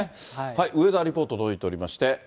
ウェザーリポート届いておりまして。